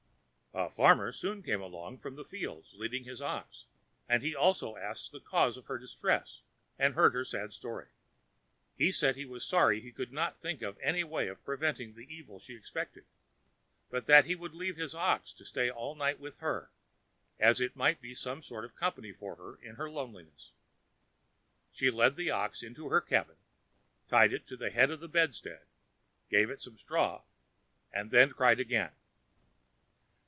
A farmer soon came along from the fields, leading his ox, and he also asked the cause of her distress and heard her sad story. He said he was sorry he could not think of any way of preventing the evil she expected, but that he would leave his ox to stay all night with her, as it might be a sort of company for her in her loneliness. She led the ox into her cabin, tied it to the head of her bedstead, gave it some straw, and then cried again.